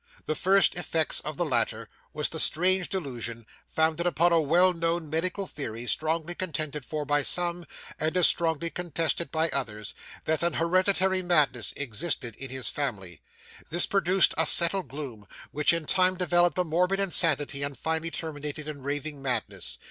The first effects of the latter was the strange delusion, founded upon a well known medical theory, strongly contended for by some, and as strongly contested by others, that an hereditary madness existed in his family. This produced a settled gloom, which in time developed a morbid insanity, and finally terminated in raving madness.